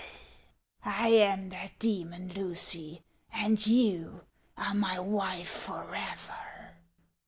I am that demon, Lucy, and you are my wife forever!